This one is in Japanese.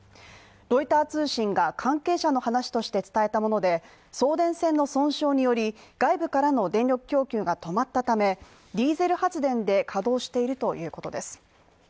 ロイター通信が関係者の話として伝えたもので送電線の損傷により外部からの電力供給が止まったため、ディーゼル発電で稼働しているということです